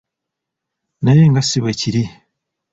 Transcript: Naye nga si bwe kiri.